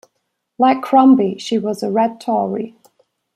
Like Crombie, she was a Red Tory.